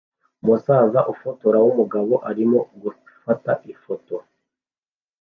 umusaza ufotora wumugabo arimo gufata ifoto